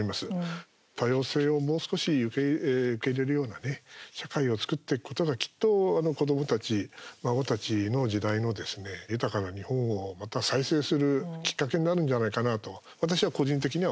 多様性を、もう少し受け入れるような社会を作っていくことがきっと子どもたち孫たちの時代の豊かな日本を、また再生するきっかけになるんじゃないかなと私は個人的には思っています。